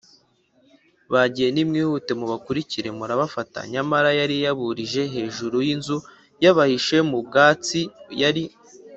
bagiye Nimwihute mubakurikire murabafata Nyamara yari yaburije hejuru y inzu b abahisha mu byatsi yari